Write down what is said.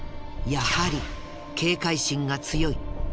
やはり警戒心が強い。